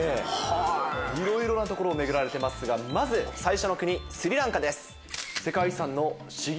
いろいろな所を巡られてますが最初の国スリランカです。